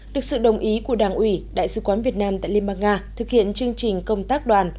được sự đồng ý của đảng ủy đại sứ quán việt nam tại liên bang nga thực hiện chương trình công tác đoàn